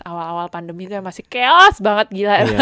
apa pas awal awal pandemi itu ya masih chaos banget gila ya kan